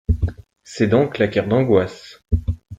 Ses dents claquèrent d’angoisse.